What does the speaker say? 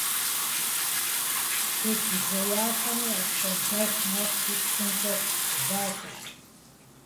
Шы гужьеяхэми апщӀондэху нэхъри псынщӀэ защӀырт.